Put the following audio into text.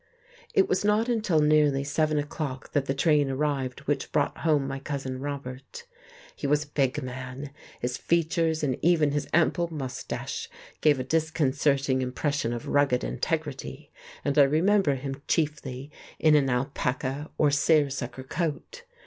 It was not until nearly seven o'clock that the train arrived which brought home my Cousin Robert. He was a big man; his features and even his ample moustache gave a disconcerting impression of rugged integrity, and I remember him chiefly in an alpaca or seersucker coat.